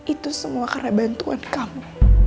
itu semua karena bantuan kamu